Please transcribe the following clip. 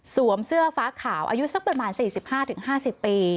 เสื้อฟ้าขาวอายุสักประมาณ๔๕๕๐ปี